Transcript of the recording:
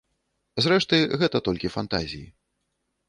Зрэшты, гэта толькі фантазіі.